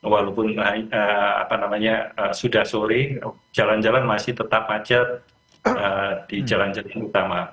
walaupun sudah sore jalan jalan masih tetap macet di jalan jalan utama